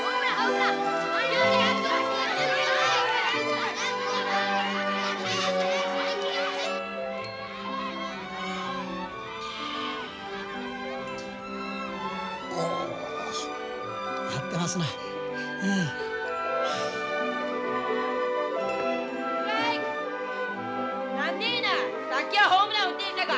さっきはホームラン打ってんさか。